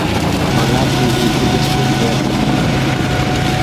Makat kepite kerchek viazik chu